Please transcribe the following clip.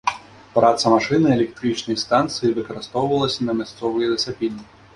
Праца машыны электрычнай станцыі выкарыстоўвалася на мясцовай лесапільні.